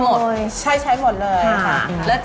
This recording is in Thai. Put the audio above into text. การที่บูชาเทพสามองค์มันทำให้ร้านประสบความสำเร็จ